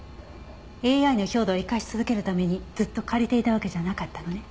ＡＩの兵働を生かし続けるためにずっと借りていたわけじゃなかったのね。